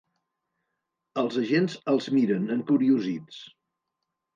Els agents els miren, encuriosits.